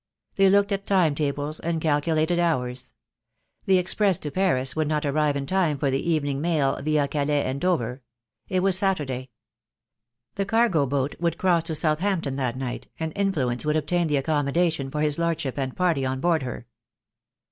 They looked at time tables and calculated hours. The express to Paris would not arrive in time for the evening mail via Calais and Dover. It was Saturday. The cargo boat THE DAY WILL COME. IO7 would cross to Southampton that night, and influence would obtain accommodation for his Lordship and party on board her.